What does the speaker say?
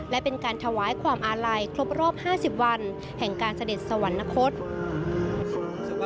และเป็นการถวายความอาลัยครบรอบ๕๐วันแห่งการเสด็จสวรรคต